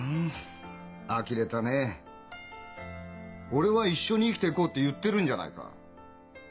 俺は一緒に生きていこうって言ってるんじゃないか。